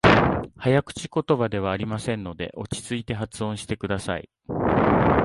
早口言葉ではありませんので、落ち着いて発音してください。